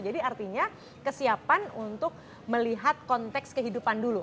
jadi artinya kesiapan untuk melihat konteks kehidupan dulu